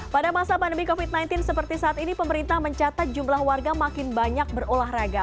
pada masa pandemi covid sembilan belas seperti saat ini pemerintah mencatat jumlah warga makin banyak berolahraga